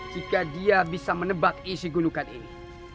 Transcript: jika dia bisa menebak isi gulukan ini